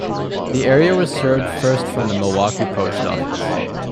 The area was served first from the Milwaukie post office.